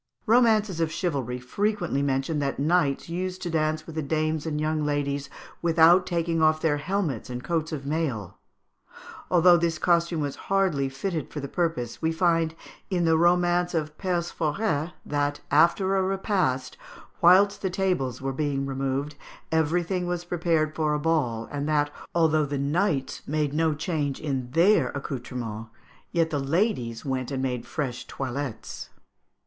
Romances of chivalry frequently mention that knights used to dance with the dames and young ladies without taking off their helmets and coats of mail. Although this costume was hardly fitted for the purpose, we find, in the romance of "Perceforet," that, after a repast, whilst the tables were being removed, everything was prepared for a ball, and that although the knights made no change in their accoutrements, yet the ladies went and made fresh toilettes.